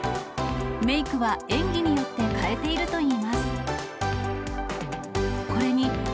メークは演技によって変えているといいます。